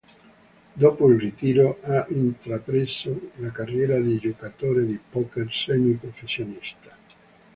Dopo il ritiro ha intrapreso la carriera di giocatore di poker semi-professionista.